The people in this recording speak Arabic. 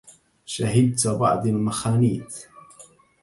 شهدت بعض المخانيث